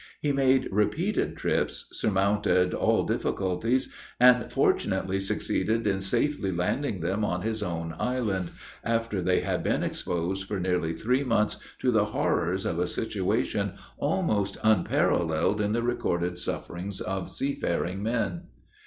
He made repeated trips, surmounted all difficulties, and fortunately succeeded in safely landing them on his own island, after they had been exposed for nearly three months to the horrors of a situation almost unparalleled in the recorded sufferings of seafaring men.